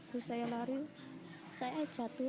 terus saya lari saya jatuh